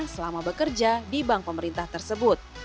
selama bekerja di bank pemerintah tersebut